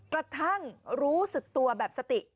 กระทั่งรู้สึกตัวแบบสติ